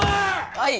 はい！